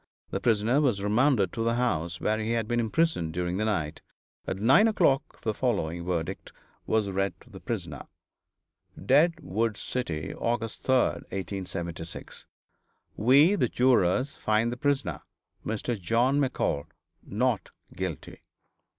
The prisoner was remanded to the house where he had been imprisoned during the night. At 9 o'clock the following verdict was read to the prisoner: DEADWOOD CITY, Aug. 3, 1876. We, the jurors, find the prisoner, Mr. John McCall, not guilty.